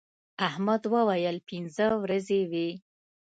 احمد وويل: پینځه ورځې وې.